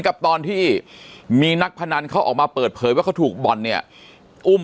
กับตอนที่มีนักพนันเขาออกมาเปิดเผยว่าเขาถูกบ่อนเนี่ยอุ้ม